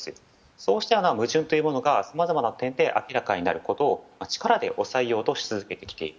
そうした矛盾がさまざまな点で明らかになることを力で抑え続けてきている。